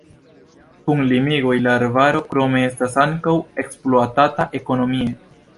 Kun limigoj la arbaro krome estas ankaŭ ekspluatata ekonomie.